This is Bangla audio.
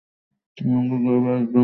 মিমি - কে ডেলিভারির জন্যে নিয়ে আসছে।